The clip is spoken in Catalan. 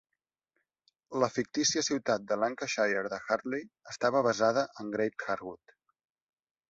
La fictícia ciutat de Lancashire de Hartley estava basada en Great Harwood.